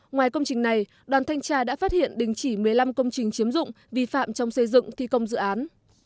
ngoài công trình này đoàn thanh tra đã phát hiện đình chỉ một mươi năm công trình chiếm dụng vi phạm trong xây dựng thi công dự án